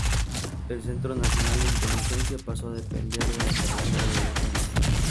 El Centro Nacional de Inteligencia pasó a depender de la cartera de Defensa.